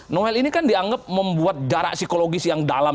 noel ini kan dianggap membuat jarak psikologis yang dalam